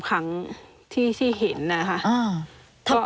ครั้งที่เห็นนะคะ